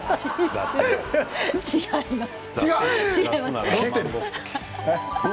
違います。